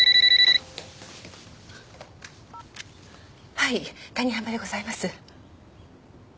はい谷浜でございます。